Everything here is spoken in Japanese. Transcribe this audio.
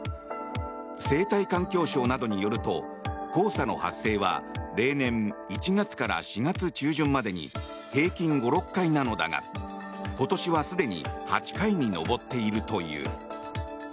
生態環境省などによると黄砂の発生は例年、１月から４月中旬までに平均５６回なのだが今年はすでに８回に上っているという。